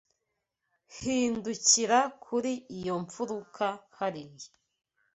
Hindukira kuri iyo mfuruka hariya.